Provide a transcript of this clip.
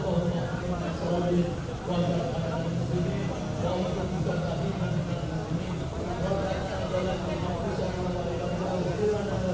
oleh karena sekali lagi